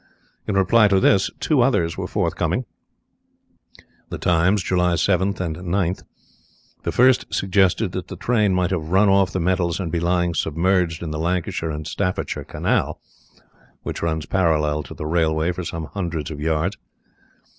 In reply to this two others were forthcoming (Times, July 7th and 9th). The first suggested that the train might have run off the metals and be lying submerged in the Lancashire and Staffordshire Canal, which runs parallel to the railway for some hundred of yards.